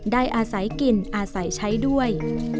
ได้อาศัยกินอาศัยใช้ด้วย